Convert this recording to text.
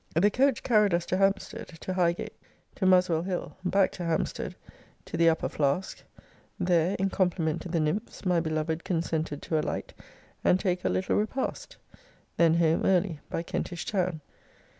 The coach carried us to Hampstead, to Highgate, to Muswell hill; back to Hampstead to the Upper Flask: there, in compliment to the nymphs, my beloved consented to alight, and take a little repast. Then home early by Kentish town.